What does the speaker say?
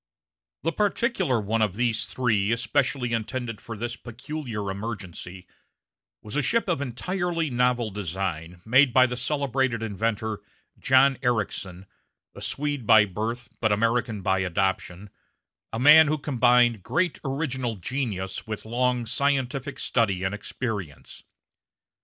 The particular one of these three especially intended for this peculiar emergency was a ship of entirely novel design, made by the celebrated inventor John Ericsson, a Swede by birth, but American by adoption a man who combined great original genius with long scientific study and experience.